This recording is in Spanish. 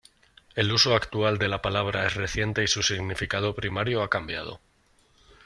El uso actual de la palabra es reciente y su significado primario ha cambiado.